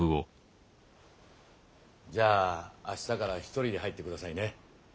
じゃあ明日から１人で入って下さいね。